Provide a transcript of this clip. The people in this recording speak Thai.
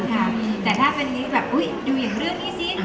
แต่ถ้าเป็นนี้แบบอุ๊ยดูอย่างเรื่องนี้สิ